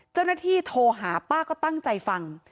เจ้าหน้าที่โทรหาป้าก็ตั้งใจฟัง